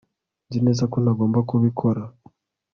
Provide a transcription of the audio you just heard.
nzi neza ko ntagomba kubikora